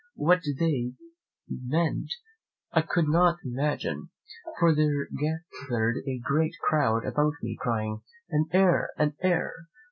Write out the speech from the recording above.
What they meant I could not imagine; for there gathered a great crowd about me, crying, 'An heir! an heir!'